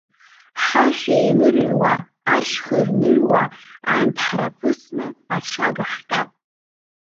Ҳашәа еинырҩуа, ашьха ирныҩуа, анҭ ҳраԥысны аҽага ҳҟьап!